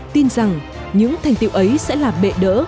tin rằng những thành tiệu ấy sẽ là bệ đỡ